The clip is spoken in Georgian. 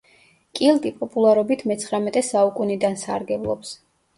კილტი პოპულარობით მეცხრამეტე საუკუნიდან სარგებლობს.